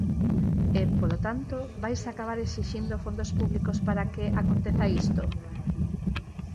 E, polo tanto, vaise acabar exixindo fondos públicos para que aconteza isto.